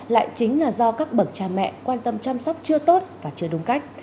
lại chính là do các bậc cha mẹ quan tâm chăm sóc chưa tốt và chưa đúng cách